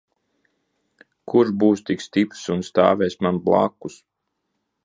Kurš būs tik stiprs un stāvēs man blakus?